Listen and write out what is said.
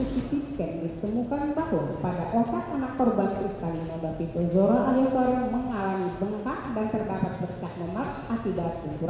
siap untuk pembentukan maksimal mario